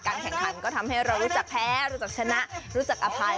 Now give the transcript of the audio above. แข่งขันก็ทำให้เรารู้จักแพ้รู้จักชนะรู้จักอภัย